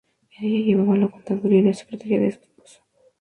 Ella llevaba la contaduría y la secretaría de su esposo.